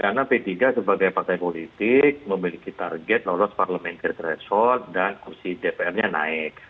ya dua hal tadi itu karena p tiga sebagai partai politik memiliki target loros parliamentary threshold dan kursi dpr nya naik